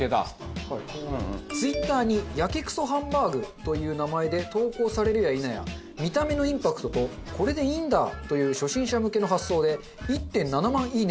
Ｔｗｉｔｔｅｒに「やけくそハンバーグ」という名前で投稿されるや否や見た目のインパクトとこれでいいんだという初心者向けの発想で１．７万「いいね」を獲得。